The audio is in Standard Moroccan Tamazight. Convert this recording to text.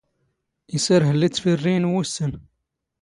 ⵉⵙ ⴰⵔ ⵀⵍⵍⵉ ⵜⵜⴼⵉⵔⵔⵉⵢⵏ ⵡⵓⵙⵙⴰⵏ.